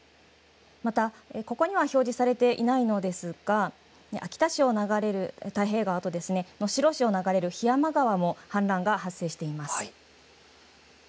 またここには表示されていないのですが秋田市を流れる太平川と能代市を流れる檜山川も氾濫が発生しています。